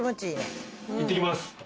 いってきます。